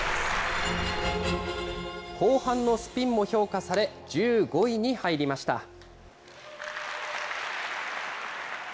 後半のスピンも評価され、１５位に入りました。